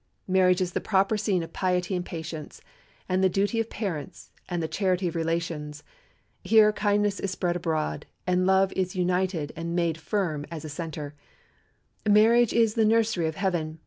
Marriage is the proper scene of piety and patience, of the duty of parents, and the charity of relations; here kindness is spread abroad, and love is united and made firm as a center. "Marriage is the nursery of heaven.